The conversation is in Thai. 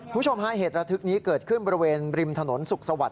คุณผู้ชมฮะเหตุระทึกนี้เกิดขึ้นบริเวณริมถนนสุขสวัสด